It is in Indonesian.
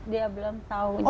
dia belum tahu